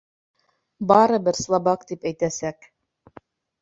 Барыбер «слабак» тип әйтәсәк.